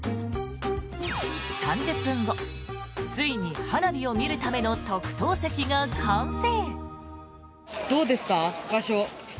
３０分後ついに花火を見るための特等席が完成。